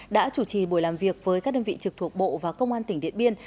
đã chủ trì buổi làm việc với các đơn vị trực thuộc bộ và công an tỉnh điện biên